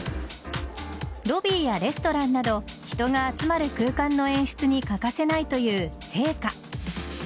ロビーやレストランなど人が集まる空間の演出に欠かせないという生花。